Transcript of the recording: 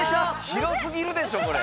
広すぎるでしょこれ。